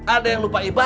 ada yang lupa lupa